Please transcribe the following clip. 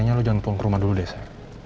kayaknya lo jangan pulang ke rumah dulu deh sa